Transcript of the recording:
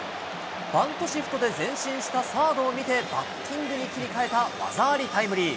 バントシフトで前進したサードを見て、バッティングに切り替えた技ありタイムリー。